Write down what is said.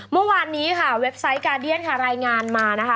เมื่อวานนี้ค่ะเว็บไซต์กาเดียนค่ะรายงานมานะคะ